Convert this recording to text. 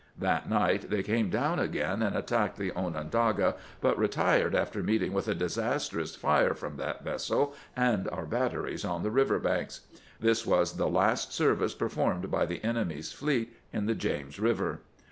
That night they came down again, and attacked the Onondaga, but retired after meeting with a disastrous fire from that vessel and our batteries on the river banks. This was the last service performed by the enemy's fleet in the James Eiver.